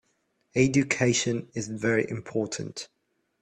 Education is very important.